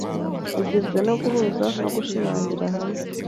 rugizwe no guhuza no gushimangira hamwe